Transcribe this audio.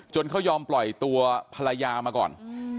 เขายอมปล่อยตัวภรรยามาก่อน